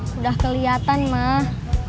sudah kelihatan mah